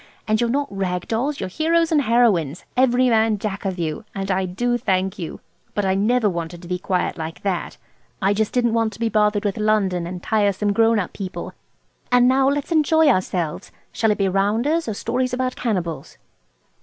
And you're not rag dolls. You're heroes and heroines, every man jack of you. And I do thank you. But I never wanted to be quiet like that. I just didn't want to be bothered with London and tiresome grown up people. And now let's enjoy ourselves! Shall it be rounders, or stories about cannibals?"